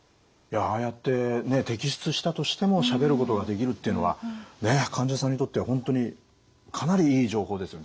ああやって摘出したとしてもしゃべることができるっていうのは患者さんにとっては本当にかなりいい情報ですよ。